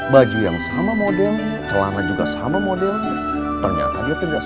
biasanya kan saya lebih keren dari ini doi